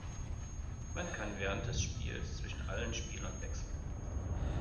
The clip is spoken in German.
Man kann während des Spiels zwischen allen Spielern wechseln.